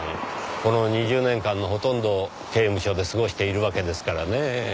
この２０年間のほとんどを刑務所で過ごしているわけですからねぇ。